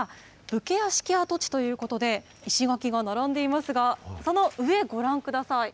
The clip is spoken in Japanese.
武家屋敷跡地ということで、石垣が並んでいますが、その上、ご覧ください。